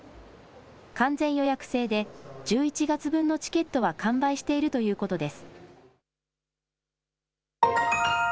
完全予約制で、１１月分のチケットは完売しているということです。